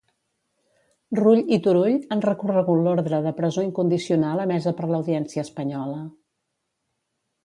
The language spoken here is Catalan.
Rull i Turull han recorregut l'ordre de presó incondicional emesa per l'Audiència espanyola.